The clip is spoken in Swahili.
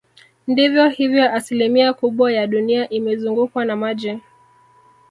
Ndivyo hivyo asilimia kubwa ya dunia imezungukwa na maji